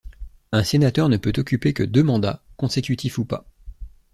Un sénateur ne peut occuper que deux mandats, consécutifs ou pas.